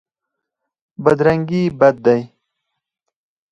بدرنګي بد دی.